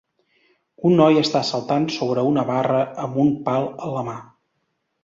Un noi està saltant sobre una barra amb un pal a la mà.